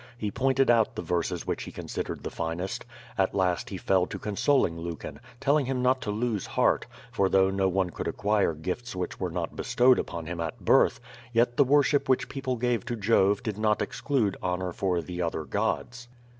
He pointed out the verses which he considered tlie finest. At last he fell to consoling Lucan, telling him not to lose heart, for though no one could acquire gifts which were not bestowed upon him at birth, yet the worship which people gave to Jove did not exclude honor for the other gods.